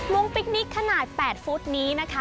งปิ๊กนิกขนาด๘ฟุตนี้นะคะ